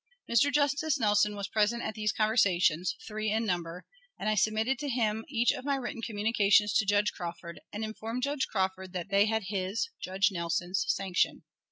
Mr. Justice Nelson was present at these conversations, three in number, and I submitted to him each of my written communications to Judge Crawford, and informed Judge Crawford that they had his (Judge Nelson's) sanction.